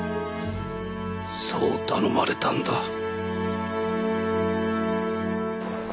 そう頼まれたんだ。